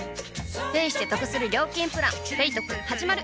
ペイしてトクする料金プラン「ペイトク」始まる！